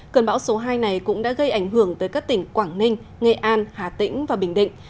cơn bão số hai này cũng đã gây ảnh hưởng tới các tỉnh quảng ninh nghệ an hà tĩnh và bình định